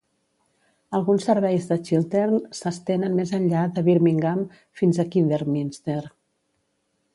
Alguns serveis de Chiltern s'estenen més enllà de Birmingham fins a Kidderminster.